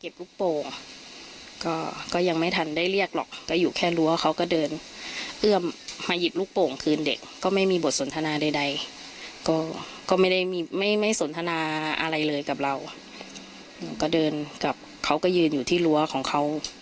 วิธีกรรมหรืออะไรแทนในบ้านหรือ